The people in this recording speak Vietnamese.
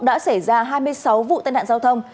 đã xảy ra hai mươi sáu vụ tên hạn giao thông